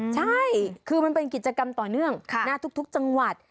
ใช่คือมันเป็นกิจกรรมต่อเนื่องทุกจังหวัด